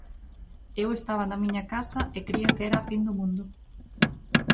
Eu estaba na miña casa e cría que era a fin do mundo.